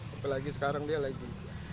apalagi sekarang dia lagi